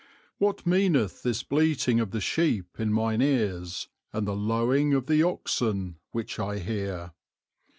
"What meaneth this bleating of the sheep in mine ears and the lowing of the oxen which I hear?"